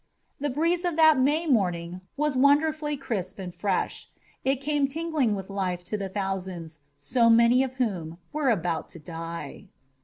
The breeze of that May morning was wonderfully crisp and fresh. It came tingling with life to the thousands, so many of whom were about to die.